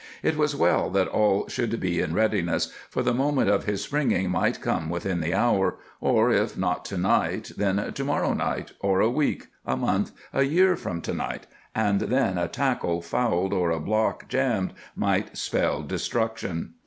It was well that all should be in readiness, for the moment of his spring might come within the hour, or, if not to night, then to morrow night, or a week, a month, a year from to night, and then a tackle fouled or a block jammed might spell destruction.